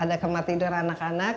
ada tempat tidur anak anak